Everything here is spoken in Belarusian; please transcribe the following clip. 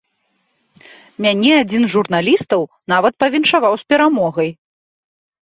Мяне адзін з журналістаў нават павіншаваў з перамогай.